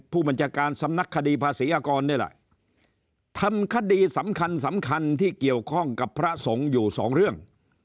ผู้บัญชาการสำนักคดีภาษีอากรนี่แหละทำคดีสำคัญสำคัญที่เกี่ยวข้องกับพระสงฆ์อยู่สองเรื่อง